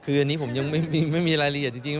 คืออันนี้ผมยังไม่มีรายละเอียดจริง